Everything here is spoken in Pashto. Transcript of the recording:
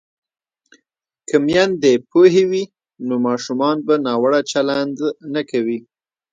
که میندې پوهې وي نو ماشومان به ناوړه چلند نه کوي.